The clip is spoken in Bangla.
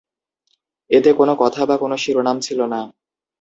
এতে কোন কথা বা কোন শিরোনাম ছিল না।